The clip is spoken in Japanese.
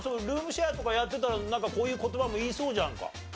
ルームシェアとかやってたらなんかこういう言葉も言いそうじゃんか。